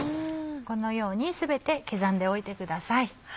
このように全て刻んでおいてください。